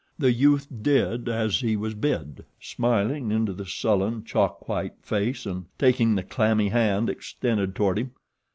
The youth did as he was bid, smiling into the sullen, chalk white face and taking the clammy hand extended toward him.